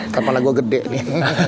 terpala gua gede nih